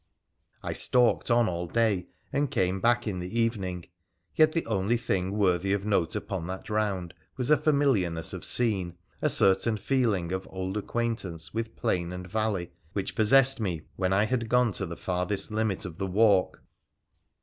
I stalked on all day, and came back in the evening ; yet the only thing worthy of note upon that round was a familiarness of scene, a certain feeling of old acquaintance with plain and valley, which possessed me when I had gone to the farthest limit of the walk.